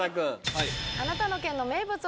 はい。